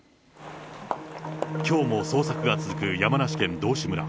きょうも捜索が続く山梨県道志村。